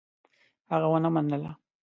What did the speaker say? هغه ونه منله.